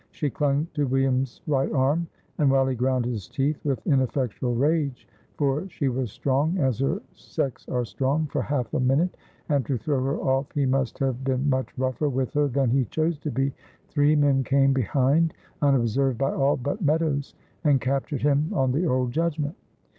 She clung to William's right arm, and while he ground his teeth with ineffectual rage, for she was strong, as her sex are strong, for half a minute, and to throw her off he must have been much rougher with her than he chose to be, three men came behind unobserved by all but Meadows, and captured him on the old judgment.